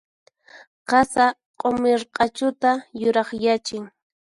Qasa q'umir q'achuta yurakyachin.